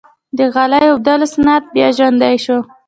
د غالۍ اوبدلو صنعت بیا ژوندی شو؟